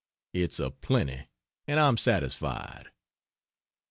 It's a plenty, and I am satisfied.